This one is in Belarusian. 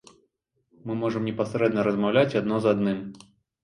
Мы можам непасрэдна размаўляць адно з адным.